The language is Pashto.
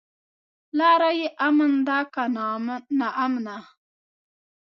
لاره يې امن ده که ناامنه؟